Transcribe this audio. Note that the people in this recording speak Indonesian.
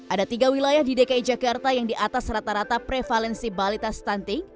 ada tiga wilayah di dki jakarta yang di atas rata rata prevalensi balita stunting